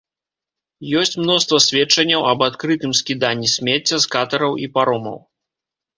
Ёсць мноства сведчанняў аб адкрытым скіданні смецця з катэраў і паромаў.